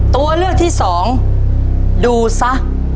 ตัวเลือกที่สองดูซะ